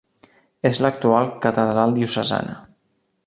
És l'actual catedral diocesana.